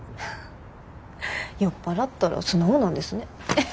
酔っ払ったら素直なんですね。